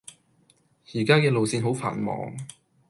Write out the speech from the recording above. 依家既線路好繁忙